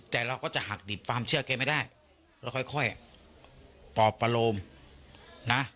แต่เราก็จะหักดิบความเชื่อแกไม่ได้แล้วค่อยปอบประโลมนะ